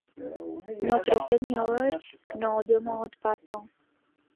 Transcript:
Notre Seigneur n'en demande pas tant !